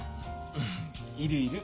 うんいるいる。